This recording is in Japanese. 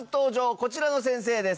こちらの先生です。